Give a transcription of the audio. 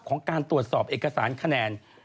การตรวจสอบเอกสารคะแนน